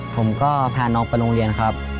ผมก็พาน้องไปโรงเรียนครับ